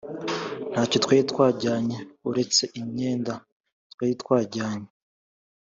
ntacyo twari dusigaranye uretse imyenda twari twajyanye